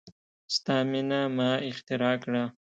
ستا میینه ما اختراع کړه